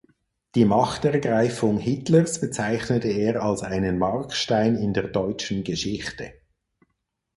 Die „Machtergreifung“ Hitlers bezeichnete er als „einen Markstein in der deutschen Geschichte“.